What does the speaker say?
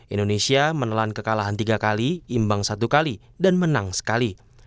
indonesia menelan kekalahan tiga kali imbang satu kali dan menang sekali